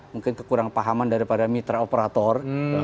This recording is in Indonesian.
mungkin kekurangpahaman daripada mitra operator